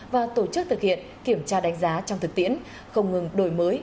và tổ chức thực hiện kiểm tra đánh giá trong thực tiễn không ngừng đổi mới